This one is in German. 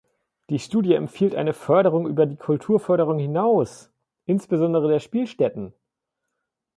Die Studie empfiehlt eine Förderung über die Kulturförderung hinaus, insbesondere der Spielstätten.